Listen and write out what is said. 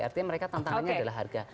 artinya mereka tantangannya adalah harga